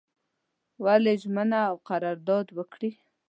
ولي ژمنه او قرارداد وکړي.